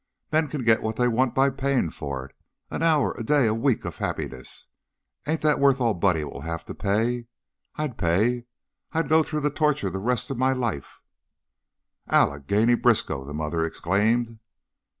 Men can get what they want by payin' for it. An hour, a day, a week of happiness! Ain't that worth all Buddy 'll have to pay? I'd pay. I'd go through torture the rest of my life " "Allegheny Briskow!" the mother exclaimed.